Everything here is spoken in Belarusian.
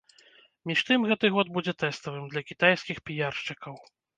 Між тым гэты год будзе тэставым для кітайскіх піяршчыкаў.